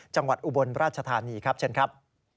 จังหวัดอุบลราชธานีครับเช่นครับ